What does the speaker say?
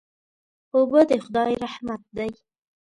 اوبه د خدای رحمت دی.